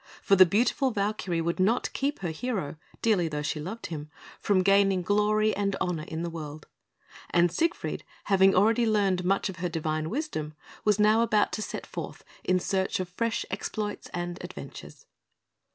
For the beautiful Valkyrie would not keep her hero, dearly though she loved him, from gaining glory and honour in the world; and Siegfried, having already learned much of her divine wisdom, was now about to set forth in search of fresh exploits and adventures.